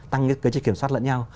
tăng cái chế kiểm soát lẫn nhau